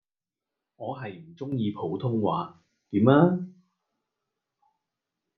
我係唔鐘意普通話，點呀